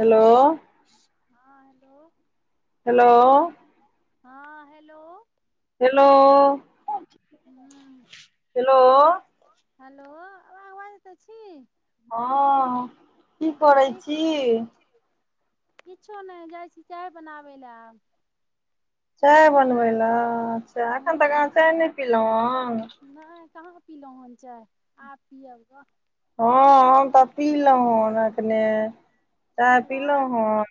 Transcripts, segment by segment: Hello हँ hello hello हँ hello hello हूँ हेलो हेलो आ [unintelligible] बाजैतऽ छी हँ की करै ठीक छी किछो नहि जाइ छी चाय बनाबै लए आब चाय बनबै लए अच्छा एखन तक हूँ आँहा चाय नहि पीलहुँ हँ नहि कहाँ पीलहुँ हन चाय आब पिअब गऽ हँ हम तऽ आब पीलहुँ हन एखने चाय पीलहुँ हन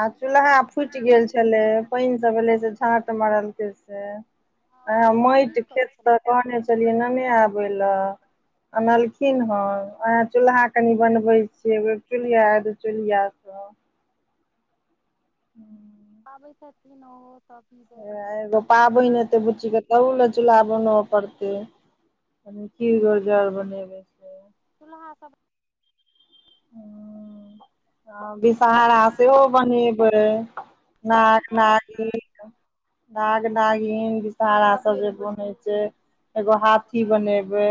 आ चूल्हा फूटि गेल छलै पइन सब भेले से झाट मारल के से आ चूल्हा ठीक माटि करै खेत छल त कहने छलियै नने आ बै ल अनलखिन हन वएह चूल्हा कनी बनबै छीयै एगो एक चूल्हिया दू चूल्हिया सब हू [inaudible] छथिन ओहो तऽ पीबै वएह एगो पाबहिन हेतै बच्ची के तहुमे चूल्हा बनब पड़तै कनि खीर घोरजौर बनेबै। से चुल्हा सब ओ ह विषहरा सेहो बनेबै, अच्छा नाग बिठा नागीन नाग नागीन बिषहारा सब जे बनै छै एगो हाथी बनेबै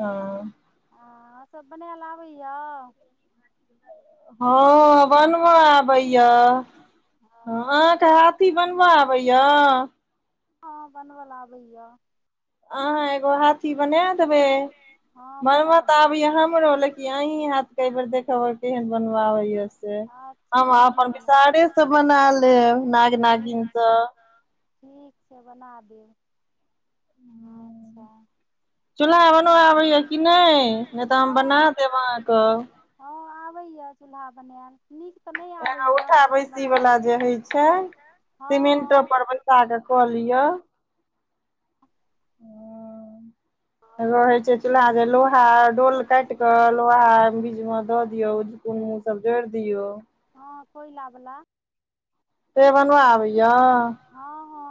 हँ हँ सब बनायल आबैए हँ बनबऽ आबैया अहाँके हा थी बनब आबैया, हँ बनबल आबैया अहाँ एगो हाथी बनै देबै हँ बनब बना तऽ देबै आबैया हमरो लेकिन अहीं हाथ के अहिबेर देखब केहन बनब आबैया से अच्छा हम हमही अपन विषाहारे स बनायब बना लेब नाग ठीक नागिनसँ ठीक छै बना देब अच्छा चूल्हा आओर बनब आबैए कि नहि नहि तऽ हम बना हँ देब अहाँके हँ आबैए चूल्हा बनायल नीक तऽ नय एगो आबैया उठा तहन बैसी बना वला लै जे होइ छी हँ हँ [unintelligible] [unintelligible] क लिअ एगो हँ होय छै चूल्हा जे लोहा डोल काटि क लोहा बीज मे दऽ दियऔ कनो [unintelligible] सब जोड़ि दियऔ हँ कोयला बला से बनब आबैया हँ हँ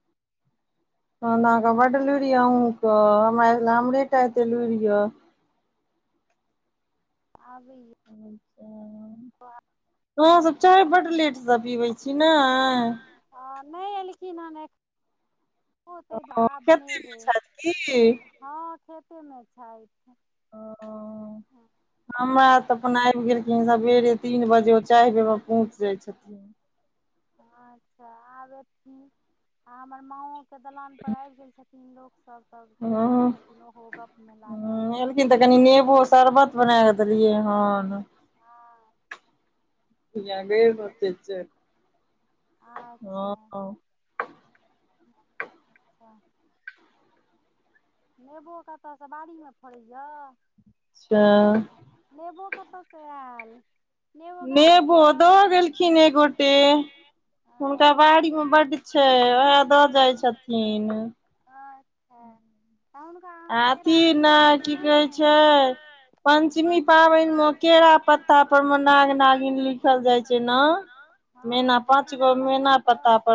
तहन तऽ आँहा के बड लुरि ये अहूँ क हमरा होइ छेला हमरे टा एकटा लुरि ये अबैया अच्छा [unintelligible] हऽ [unintelligible] अहाँसभ चाय बड लेटसँ पीबै छी नय ह नय ऐलखिन हन एख ओते त आब खेते मे बनेबै छथि की हँ खेते मे छाइथ हमरा त अपन आयब गेलखिन सवेरे तीन बजे वो चाहि बेर मे पहुँच जाय छथिन। अच्छा आब एथिन, आ हमर माॅओके दलान पर आयब गेल छथि न लोग सभ त बैसल हँ छथिन ओहो गप मे लागल, ह एलखिन त कनि नेबो शरबत बना क देलियै हन हँ जागैयो में तेज छै [inaudible] हँ अच्छा हँ [unintelligible] नेबो कतयसँ बारी मे फरैय तअ नेंबो कतय स आयल नेबो गाछ नेंबो यऽ द गेलखिन एक गोटे हुनका अच्छा बारी में बड्ड छै, उहे द जाय छथिन अच्छा, त हुनका अहाॅं अथी केरा ने देलियैन कि की नै कहै छै [unintelligible] पंचमी पाबनि में केरा पत्ता पर मे नाग- नागिन लिखल जाय छै न, हँ झीना पत्ता पर -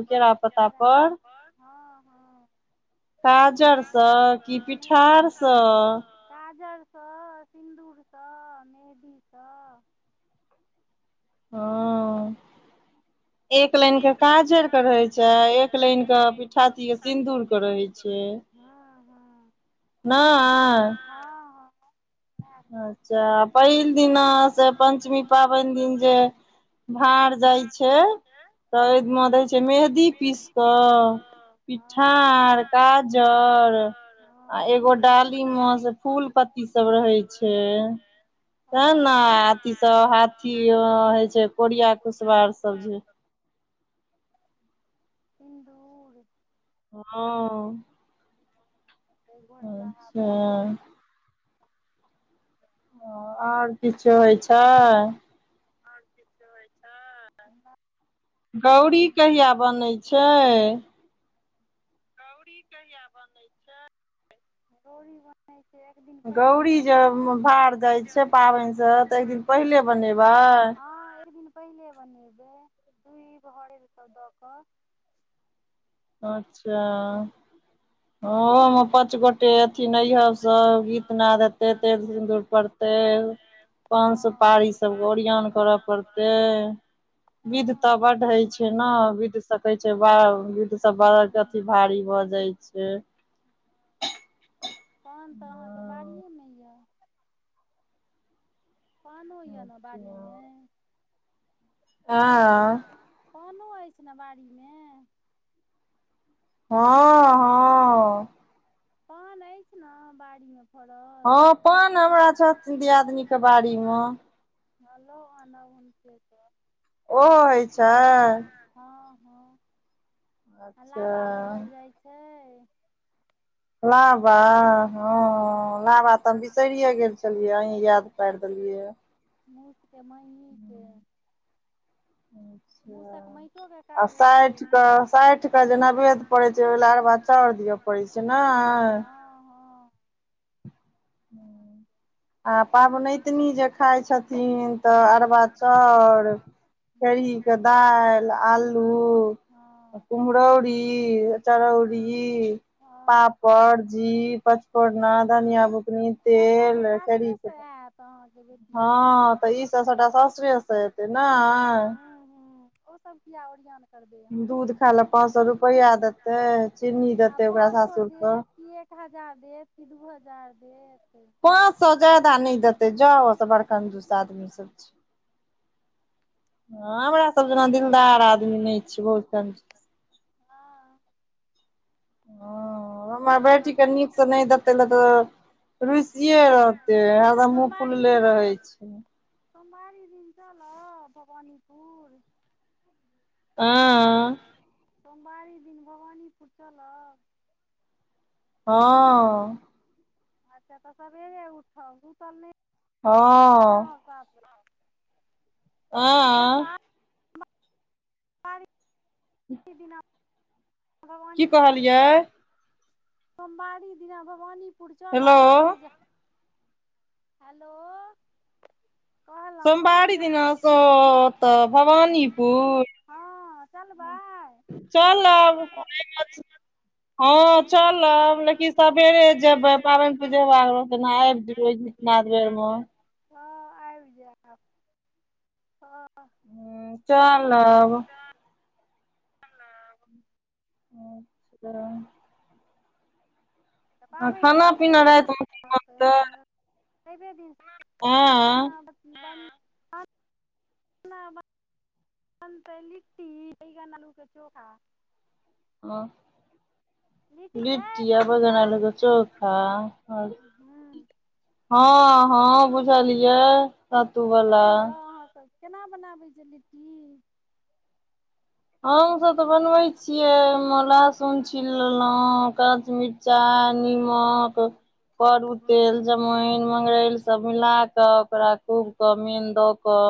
पाॅंच गो केरा पत्ता पर - हँ हँ [unintelligible] काजर स कि पिठार स? काजर स सिन्दूर स मेहदी स। ओ एक लाइनके लाइन के काजरके रहै काजर के छैय, एक छै लाइनके लाइन के पिठाती आ सिन्दूरके रहै छैय। हँ- हँ। हँ नैय। हँ वैह करू अच्छा पहिल दिना से पंचमी पाबैन दिन जे भार जाय छैय। त हूँ अय म हँ दै छैय मेहदी पीस क, सब पिठार का जर आ एगो डाली म से फूल पत्ती सब रहै छैय। तें न आथी स हाथी रहय छैय कोरिया कुसबार सब जे। [inaudible] सिंदूर। हँ। अच्छा [inaudible] आर किछो होय छैय आर किछो होय छैय - न गौरी कहिआ बनैय छैय? गौरी कहिआ बनैय छैय, गौरी बन गौरी जे उम भार जाय छैय पाबैन स, त एकदिन पहिले बनेबैय। हँ एक दिन पहिले बनैबय, दूइब हरैद सब द क। अच्छा। हॅं ओहो में पाँच गोटे अयथिन अयहब सब, गीतनाद हेतै, तेल सिन्दूर परतै। पान हँ सुपारी सब ओरियान करअ परतै। बिध तऽ हँ बड्ड होय छैय न, बिध स कहय छैय बाउ बिध सब [unintelligible] भारी भ जाय छैय। पान तऽ अहाँके बारीयेमे य। पानो य न बारीमे। हॅं। पानो अछि न बारीमें। हँ। हँ पान अछि न बारीमे फरल। हँ पान हमरा छ दियादनीके बारी म। ह ल आनब हुनके स। ओहो होय छैय? हँ -हँ, अच्छा लाबा भुजल जाइ छैय। लाबा हूँ हँ, लाबा तऽ बिसरिेये गेल छलियै अहीं याद पारि देलियै। मुसके [unintelligible] माइटोके अच्छा। आ काज होइ छै एहिमे साठिके, साठिके जे नवेद्य पड़ैत छैय, ओहि ल अरवा चाउर दिय परय छैय ने। हँ हँ आ पाबनैतिनी जे खाइ छथिन तऽ अरबा चौर खेरहीके दालि, आलू हँ कुमहरौरी चरौरी, हँ हँ पापड़, जीर, पचफोर्ना, धनिया बु कनी, सभटा तेल तऽ करी सासुरेसँ आयत अहाँके बेटीके ने हँ, हूँ तऽ ईसभ सभटा सासुरेसँ एतै नय हूँ ओसभ किया ओरियान करबै। दूध खाय लए पाँंच सए रुपआ देतै चीन्नी देतै ओकरा सात सौ रुपए ई एक हजार देत की दू हजार देत, पाँच सौ जादा नहि देतै जाउ ओ सब बड़ कंजूस आदमी सब छै, हँ हमरा सब जेना दिलदार आदमी नहि छै बहुत क हँ। तऽ हँ हमर देबे करत बेटीके नीकसँ नहि देतै न तऽ रुसिए रहतै अच्छा हरदम मुँह सोमवारी फुलले दिना रहै चल छै, सोमवारी दिन चलब भवानीपुर आँ। सोमवारी दिन भवानीपुर चलब। हँ। अच्छा तऽ सवेरे उठब उसब नहि [inaudible] हँ ह। [unintelligible] आँ आर किछ दिन की कहलियै सोमवारी दिना भवानीपुर हेलो चलब पूजा हेलो। कहलहुँ सोमवारी जे दिनासँ ओतऽ भवानीपुर हँ चलबै चलब आ हँ, चलब लेकिन सबेरे जेबै पाबनि पूजेनाब विरोजितनाथ वर्म [unintelligible] हँ आइब जायब। ह। हूँ चलब। अच्छा तऽ पाबनि तऽ खाना अथिये पीना दिना रातिमे की होतै बनतै आब, रब द आँय हँ [unintelligible] भंसा बंतै लिट्टी बैंगन आलू के चोखा ओ बनतै लिट्टी आ सत्तू बैंगन बला आलू के चोखा हूँ आ हँ हँ बुझलियै। सत्तू [unintelligible] आबैए अहाँ सब केना बनाबै छीयै लिट्टी हमसभ तऽ बनबै छियै ओहिमे लहसुन छिल लेलौ तकर बाद से मिरचाइ निमक करू तेल हँ जमाइन मंगरैल सब मिला कऽ ओकरा खूब क मेन द कऽ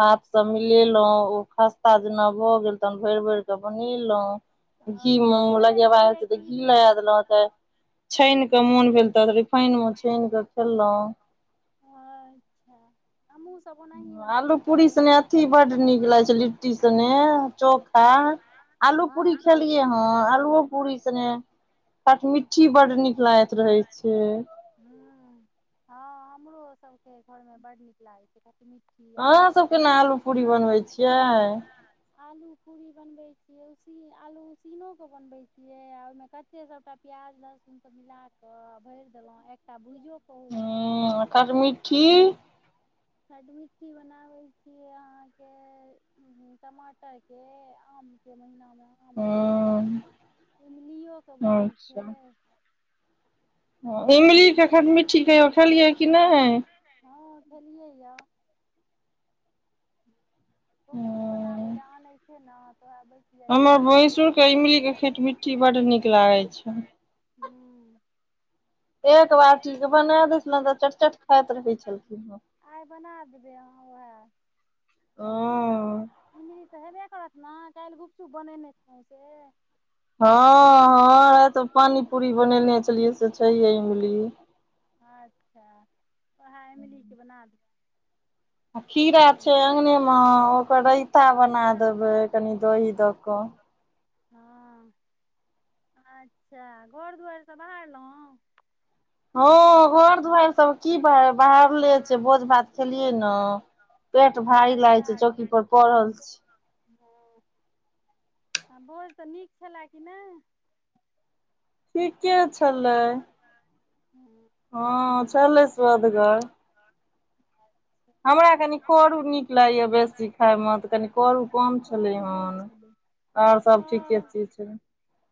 हाथसँ मिलेलहुँं ओ खस्ता जेना भऽ गेल। तहन भरि भर कऽ बनेलहुँ। घी म लगबक ओ छानै लगेबाक अइ छियै छै तऽ कि घी लगा देलौ ओत। छानि के मोन भेल। तऽ रिफाइन मे छानि के खेलहुँ। अच्छा हमहू स आलू पूरी सने अथी बड्ड नीक लगै छै। लिट्टी सने चोखा। आलू हँ पूरी चोख खेलियै हँ। आलूओ पूरी सने खटमिट्ठी बड नीक लागैत रहे छै। हूँ हँ हमरो सबके घरमे बड नीक लागै छै खट मिठ्ठी अहाँ आलू के पूरी, केना अहाँ आलू सब पूरी बनबै छियै केना आलू पूरी बनबै छियै। आलू पूरी बनबै छियै। उसी आलू उसीनो क बनबै छियै, आ ओहि मे कच्चे सबटा प्याज लहसुन सब मिला कऽ भरि देलो, एकटा भुइजो हँऽ आ खटमिठ्ठी खटमिठ्ठी बनाबै छियै, अहाँके टमाटरके आम के महिना मे आमके, हूँ इमलीयो क बनै छै। इमली के खटमिट्ठी कहियो खेलियै ह कि नहि। हँ खेलियै यऽ। गुपचुप बनाबै लए आनै छियै नऽ तो ओहैं बैच हमर भैंसुरके इमलीके खेटमिट्ठी बड्ड नीक लागै छैन। हूं एक बाटी के बना दैथ न, तऽ चटचट खाइत रहै छलखिन। आइ बना देबै अहाँ वैह। हँऽ इमली तऽ हेबे करत ने, काल्हि गुपचुप बनेने छलौ से। हँ-हँ राति में पानी पूरी बनेने छलियै से छैहे इमली। अच्छा औहै इमली के बना देबै। आ खीरा छै अङ्गने म ओकर रैयता बना देबै, कनि दही दऽ कऽ। हँ अच्छा, घर दुवैर सब बहारलौ। हँ घर दुवैरि सब कि बहैर बहारले छै, भोज भात खेलियै नऽ। पेट भारी सैल लागै छै, चौकी पर पड़ल छि। हँ, आ भोज तऽ नीक छलए कि नहि। ठीके छलै। हूं। हँ छलै स्वदगर। हमरा कनि करू नीक लागैय बेसी खाय म, तऽ कनि करू कम कर छलै उर नहि हन, छलै अओर ओ सब ठीके चीज छलै।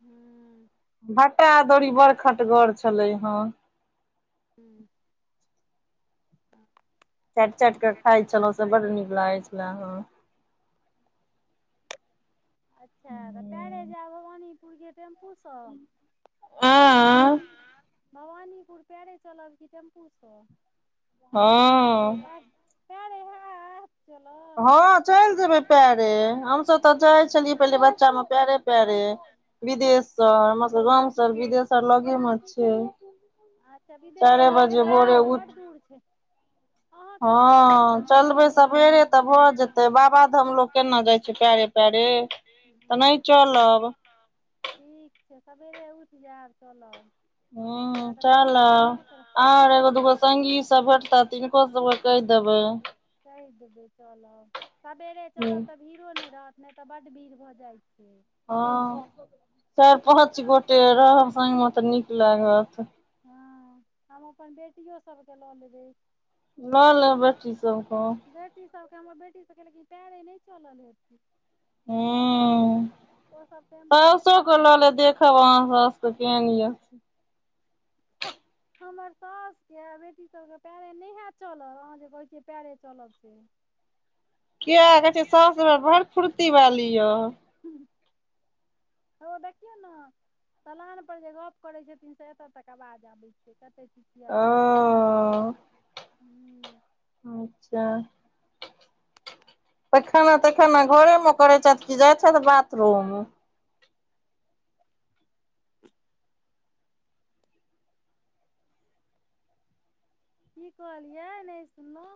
हूँ। भाटा अदौरी बड़ खटगर छलै हन। हूं चैट -चैट क खाइ छलऊ से बड नीक लागै छले हँ। अच्छा, तऽ पैरे जैब भवानीपुर कि टेम्पूसँ। अँ भवानीपुर पैरे चलब की टेम्पू सँ हँ। पैरे हैत चलल हँ चलि जेबै पैरे, हमसब तऽ जाइ छलियै पहिले बच्चा मे पैरे पैरे, विद्येशर हमर सबके गांम सँ विद्येशर लगे म छय। अच्छा विद्येश्वर एतऽ सँ भोरे तऽ उठ बड्ड दूर छय। अहाँके सासुर सँ हँ तऽ बड दूर चलबै यऽ सबेरे तऽ भवानीपुर। भऽ जेतै बाबाधाम लोक हूं केना जाइ छै पैरे पैरे तऽ नहि सैह। चलब ठीक छै, सबेरे उठि जाएब चलब हं किए तऽ फेर चलब। पाबनिओके और एगो दूगो ठीक संगी सब भेटतथ तिनको सबके कहि देबैन। कहि देबै चलब, सबेरे चलब तब भीड़ो नै रहत, नै त बड्ड भीड़ भ जाइ छै। हं [inaudible] चारि पाँच गोटे रहब संगमे त नीक लागत। हँ, हम अपन बेटियो सबके ल लेबै। ल लेब बेटी सब क। बेटी सबके, हमर बेटी सबके लेकिन पैरे नै चलल हेतै हं अं ओसभ [inaudible] टेम्पूए साउसो टा के ल लेब देख [unintelligible] ह। हमर सासुके आ बेटी सबके पैरे नै हैत चलल, अहाँ जे कहै छियै पैरे चलब से किए कहै छिअइ साउस बड़ फुर्ती बाली य हौया देखियौ न दलान पर जे गप करै छथिन से एत तक आवाज आबै छै। क ते चिचिआइ छथि ओ [inaudible] हुं उं अच्छा, पैखाना तैखनाा घरेमे करै छथि की जाइ छथि बाथरूम? की कहलियै नै सुनलौं?